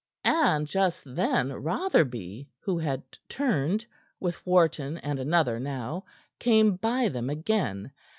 And just then Rotherby, who had turned, with Wharton and another now, came by them again.